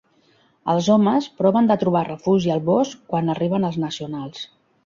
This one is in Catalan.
Els homes proven de trobar refugi al bosc quan arriben els Nacionals.